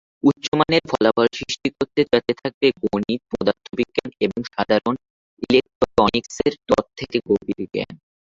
উচ্চমানের ফলাফল সৃষ্টি করতে যাতে থাকবে গণিত, পদার্থবিজ্ঞান এবং সাধারণ ইলেকট্রনিক্সের তত্ত্বের গভীর জ্ঞান।